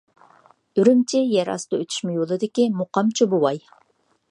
ئۈرۈمچى يەر ئاستى ئۆتۈشمە يولىدىكى مۇقامچى بوۋاي.